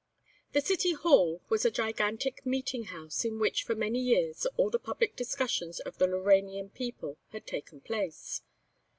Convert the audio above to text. The City Hall was a gigantic meeting house in which for many years all the public discussions of the Lauranian people had taken place.